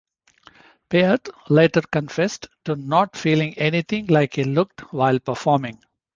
Peart later confessed to not feeling anything like he looked while performing.